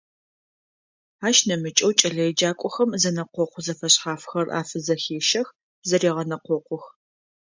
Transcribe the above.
Ащ нэмыкӀэу кӀэлэеджакӀохэм зэнэкъокъу зэфэшъхьафхэр афызэхещэх, зэрегъэнэкъокъух.